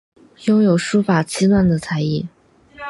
拥有书法七段的才艺。